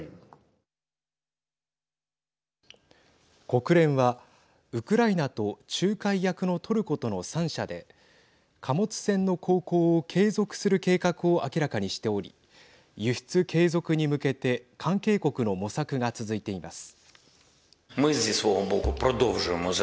国連はウクライナと仲介役のトルコとの３者で貨物船の航行を継続する計画を明らかにしており輸出継続に向けて関係国の模索が続いています。